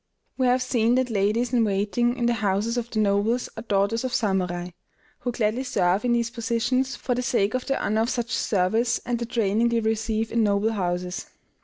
We have seen that the ladies in waiting in the houses of the nobles are daughters of samurai, who gladly serve in these positions for the sake of the honor of such service, and the training they receive in noble houses.